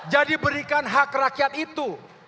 jadi berikan hak rakyat itu